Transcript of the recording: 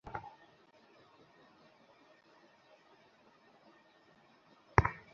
সভায় সিদ্ধান্ত হয়, আগামী শনিবার আবুলের বাঁ হাতে অস্ত্রোপচার করা হবে।